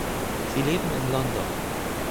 Sie leben in London.